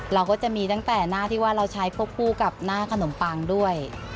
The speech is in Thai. เราก็จะมีตั้งแต่หน้าที่ว่าเราใช้ควบคู่กับหน้าขนมปังด้วย